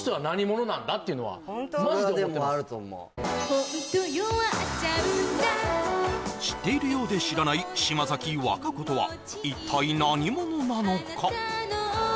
ホント弱っちゃうんだ知っているようで知らない島崎和歌子とは一体何者なのか？